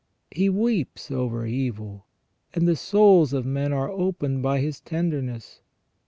He weeps over evil, and the souls of men are opened by His tenderness.